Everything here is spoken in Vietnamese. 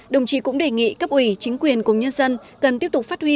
đồng chí cũng đề nghị cấp ủy chính quyền cùng nhân dân cần tiếp tục phát huy